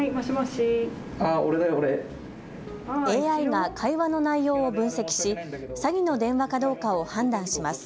ＡＩが会話の内容を分析し詐欺の電話かどうかを判断します。